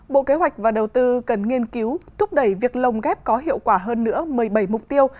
bộ kế hoạch và đầu tư cần nghiên cứu thúc đẩy việc lồng ghép có hiệu quả hơn nữa một mươi bảy mục tiêu